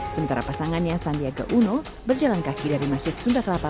sementara pasangannya sandiaga uno berjalan kaki dari masjid sunda kelapa